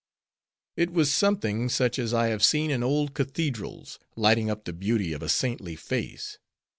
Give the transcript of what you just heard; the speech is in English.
"It was something such as I have seen in old cathedrals, lighting up the beauty of a saintly face.